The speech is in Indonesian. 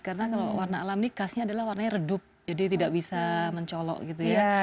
karena kalau warna alam ini khasnya adalah warnanya redup jadi tidak bisa mencolok gitu ya